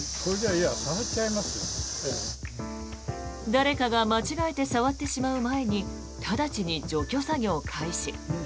誰かが間違えて触ってしまう前に直ちに除去作業開始。